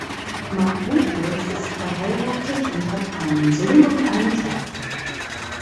Marc Buchholz ist verheiratet und hat einen Sohn und eine Tochter.